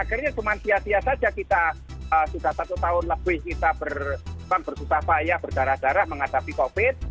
akhirnya cuma sia sia saja kita sudah satu tahun lebih kita bersusah payah berdarah darah menghadapi covid